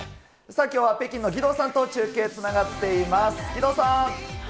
さあ、きょうは北京の義堂さんと中継つながっています。